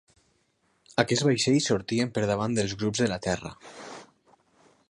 Aquests vaixells sortien per davant dels grups de la terra.